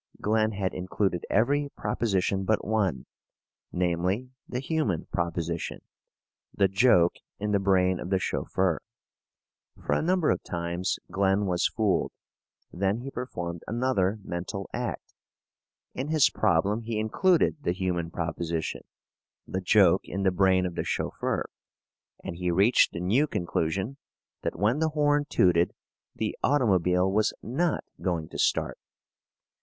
Glen had included every proposition but one, namely, the human proposition, the joke in the brain of the chauffeur. For a number of times Glen was fooled. Then he performed another mental act. In his problem he included the human proposition (the joke in the brain of the chauffeur), and he reached the new conclusion that when the horn tooted the automobile was not going to start.